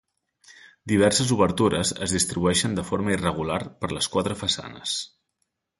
Diverses obertures es distribueixen de forma irregular per les quatre façanes.